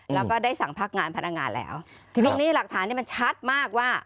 แล้วก็ได้สั่งพักงานพนักงานแล้วทีนี้หลักฐานเนี่ยมันชัดมากว่า